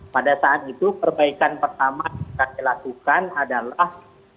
pada saat itu perbaikan pertama yang kita lakukan adalah